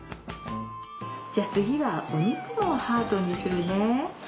じゃ次はお肉をハートにするね。